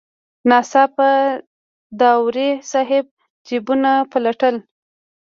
ناڅاپه داوري صاحب جیبونه پلټل.